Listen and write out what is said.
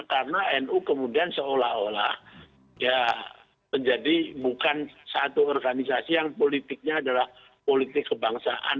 karena mu kemudian seolah olah menjadi bukan satu organisasi yang politiknya adalah politik kebangsaan